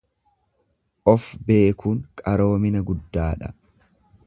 Of beekuun qaroomina guddaadha.